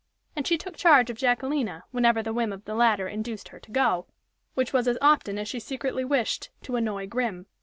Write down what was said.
And she took charge of Jacquelina, whenever the whim of the latter induced her to go, which was as often as she secretly wished to "annoy Grim."